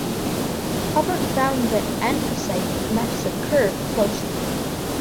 Hubbert found that anthracite matches a curve closely.